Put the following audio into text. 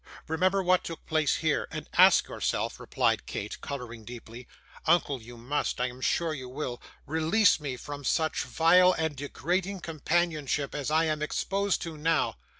'Remember what took place here, and ask yourself,' replied Kate, colouring deeply. 'Uncle, you must I am sure you will release me from such vile and degrading companionship as I am exposed to now.